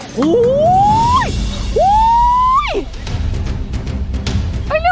ขอบคุณมากค่ะ